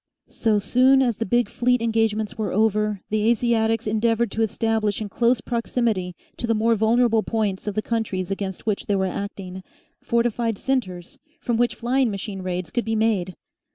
So soon as the big fleet engagements were over, the Asiatics endeavoured to establish in close proximity to the more vulnerable points of the countries against which they were acting, fortified centres from which flying machine raids could be made.